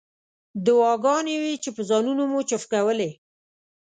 دعاګانې وې چې په ځانونو مو چوف کولې.